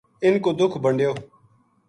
اِنھ کو دُکھ بنڈیو